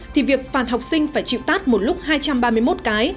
thì việc phạt học sinh phải chịu tát một lúc hai trăm ba mươi một cái